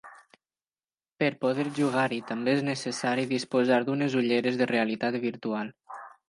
Per poder jugar-hi també és necessari disposar d'unes ulleres de realitat virtual.